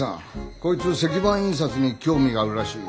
こいつ石版印刷に興味があるらしい。